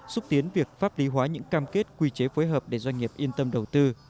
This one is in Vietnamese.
xúc tiến việc pháp lý hóa những cam kết quy chế phối hợp để doanh nghiệp yên tâm đầu tư